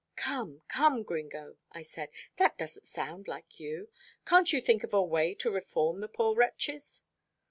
"Come, come, Gringo," I said, "that doesn't sound like you. Can't you think of a way to reform the poor wretches?"